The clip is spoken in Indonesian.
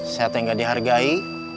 saya teh gak dihargai